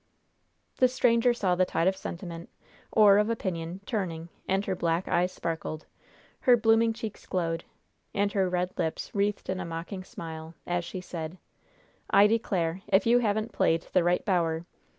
The stranger saw the tide of sentiment, or of opinion, turning, and her black eyes sparkled, her blooming cheeks glowed and her red lips wreathed in a mocking smile, as she said: "I declare! If you haven't played the right bower!